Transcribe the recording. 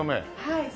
はい。